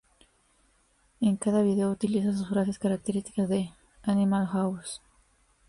En cada vídeo, utiliza sus frases características de "Animal House".